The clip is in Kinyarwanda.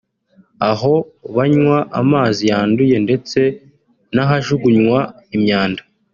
aho banywa amazi yanduye ndetse n’ahajugunywa imyanda